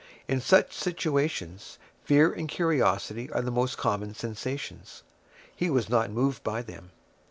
In such situations fear and curiosity are the most common sensations; he was not moved by them.